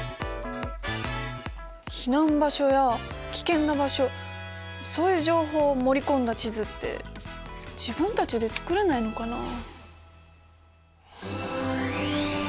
避難場所や危険な場所そういう情報を盛り込んだ地図って自分たちで作れないのかなあ。